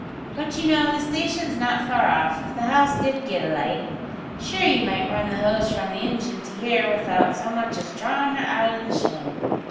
But, you know, the station's not far off, if the house did git alight. Shure ye might run the hose from the ingin to here without so much as drawin' her out o' the shed.